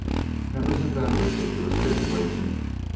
Now isn't that a ridiculous situation?